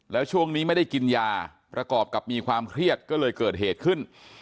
แล้วช่วงนี้ไม่ได้กินยาประกอบกับมีความเครียดก็เลยเกิดเหตุขึ้น